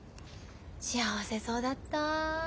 幸せそうだった。